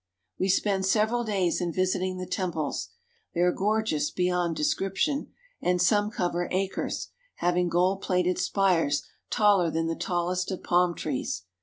We spend several days in visiting the temples. They are gorgeous beyond description, and some cover acres, having gold plated spires taller than the tallest of palm trees.